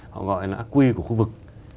họ gọi là quy của khu vực